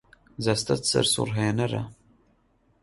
جەستەت سەرسوڕهێنەرە.